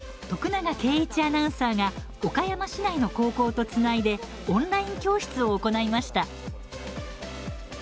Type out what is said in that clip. ことし９月徳永圭一アナウンサーが岡山市内の高校とつないでオンライン教室を行いました。